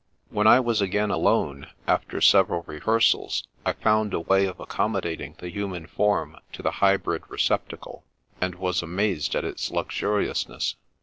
When I was again alone, after several rehearsals I found a way of accommodating the human form to the hybrid receptacle, and was amazed at its luxuriousness.